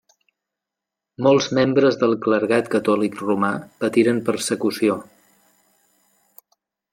Molts membres del clergat catòlic romà patiren persecució.